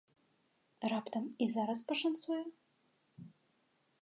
Раптам і зараз пашанцуе?